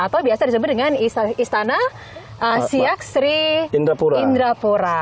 atau biasa disebut dengan istana siak sri indrapura